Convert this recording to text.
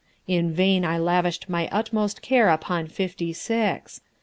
In vain I lavished my utmost care upon Fifty Six.